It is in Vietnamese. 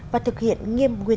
và thực hiện nghiêm nguyên